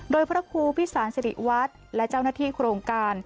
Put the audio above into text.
โดยพระครูพิสารสิริวัตรและเจ้าหน้าที่โครงการ